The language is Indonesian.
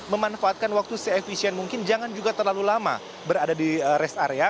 memanfaatkan waktu se efisien mungkin jangan juga terlalu lama berada di rest area